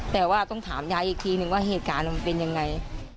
แต่ว่าต้องถามยายอีกทีนึงว่าเหตุการณ์มันเป็นยังไง